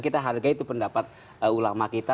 kita hargai itu pendapat ulama kita